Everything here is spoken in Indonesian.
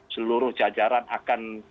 seluruh jajaran akan